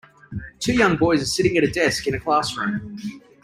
Two young boys are sitting at a desk in a classroom.